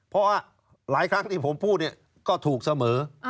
เพราะว่าหลายครั้งที่ผมพูดก็ถูกเสมอ